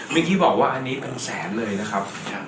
ไม่คิดบอกว่าอันนี้เป็นแสนเลยนะครับครับเป็นแสนเลย